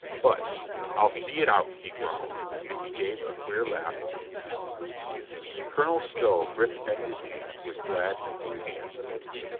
But, "I'll see it out," he growled and he gave a queer laugh of contempt. Colonel Stow gripped at his hand with glad en thusiasm.